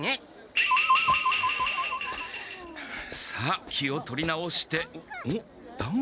さあ気を取り直してん！？